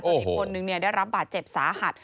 อีกคนนึงได้รับบาดเจ็บสาหัส